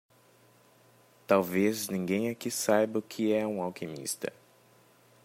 Talvez ninguém aqui saiba o que é um alquimista!